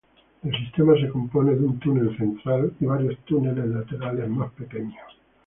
El sistema se compone de un túnel central y varios túneles laterales más pequeños.